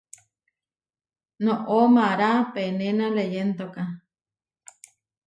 Noʼó mará penéna leyéndoka.